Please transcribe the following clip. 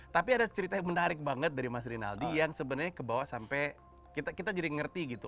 tapi ada cerita yang menarik banget dari mas rinaldi yang sebenarnya kebawa sampai kita jadi ngerti gitu